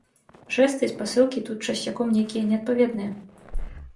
Жэсты і спасылкі тут часцяком нейкія неадпаведныя.